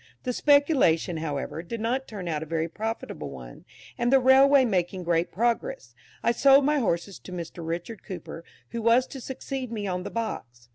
The speculation, however, did not turn out a very profitable one, and, the railway making great progress, I sold my horses to Mr. Richard Cooper, who was to succeed me on the box.